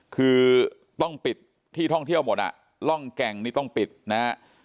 คือต้องปิดที่ท่องเที่ยวหมดล่องแกงนี้ต้องปิดนะครับ